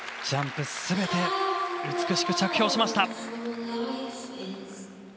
ジャンプすべて美しく着氷しました。